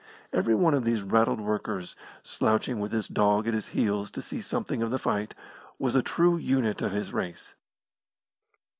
Every one of these raddled workers, slouching with his dog at his heels to see something of the fight, was a true unit of his race.